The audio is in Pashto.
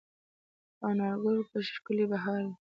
په انارګل به ښکلی بهار وي